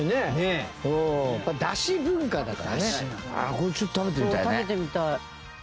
これちょっと食べてみたいね。